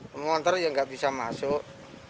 pemotor ya enggak bisa masuk